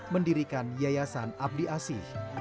mendirikan yayasan abdiasi